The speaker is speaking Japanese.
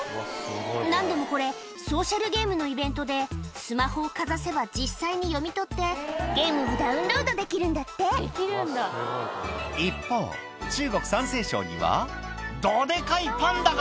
何でもこれソーシャルゲームのイベントでスマホをかざせば実際に読み取ってゲームをダウンロードできるんだって一方どデカいパンダが！